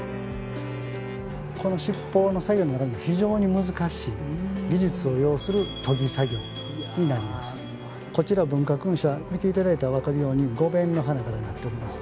この七宝の作業の中で非常に難しい技術を要するこちら文化勲章は見て頂いたら分かるように５弁の花からなっております。